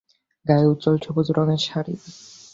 গায়ে উজ্জ্বল সবুজ রঙের শাড়ি।